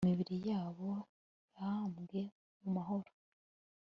imibiri yabo yahambwe mu mahoro